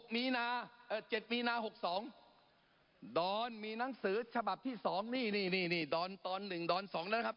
มีนา๗มีนา๖๒ดอนมีหนังสือฉบับที่๒นี่ดอนตอน๑ดอน๒แล้วนะครับ